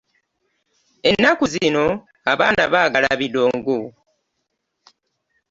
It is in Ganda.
Ennaku zino abaana baagala biddongo.